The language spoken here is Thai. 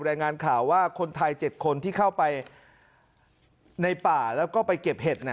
รายงานข่าวว่าคนไทย๗คนที่เข้าไปในป่าแล้วก็ไปเก็บเห็ด